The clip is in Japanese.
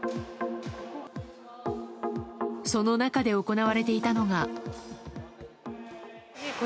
その中で行われていたのが。